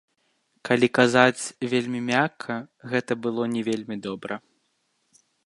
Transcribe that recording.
Калі казаць вельмі мякка, гэта было не вельмі добра.